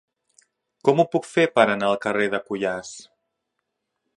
Com ho puc fer per anar al carrer de Cuyàs?